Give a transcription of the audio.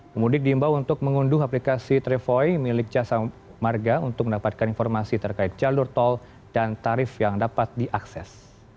pemudik diimbau untuk mengunduh aplikasi trevoi milik jasa marga untuk mendapatkan informasi terkait jalur tol dan tarif yang dapat diakses